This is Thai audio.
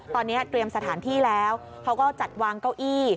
ตอนนี้เตรียมสถานที่แล้วเขาก็จัดวางเก้าอี้